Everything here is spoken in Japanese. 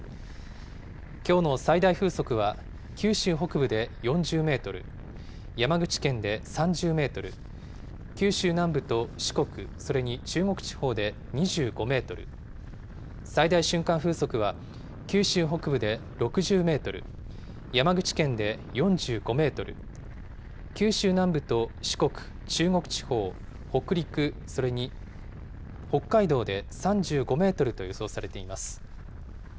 きょうの最大風速は九州北部で４０メートル、山口県で３０メートル、九州南部と四国、それに中国地方で２５メートル、最大瞬間風速は九州北部で６０メートル、山口県で４５メートル、九州南部と四国、中国地方、北陸、それに北海道で３５メートルと予想されています。